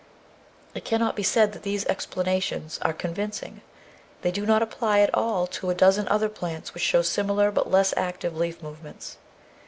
It cannot be said that these explanations are convincing. They do not apply at all to a dozen other plants which show similar but less active leaf move ments.